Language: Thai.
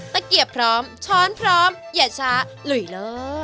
ตะเกียบพร้อมช้อนพร้อมอย่าช้าหลุยล้อ